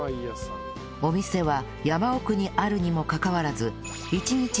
お店は山奥にあるにもかかわらず